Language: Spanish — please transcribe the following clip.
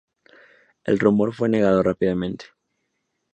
El rumor fue negado rápidamente.